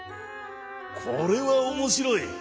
「これはおもしろい。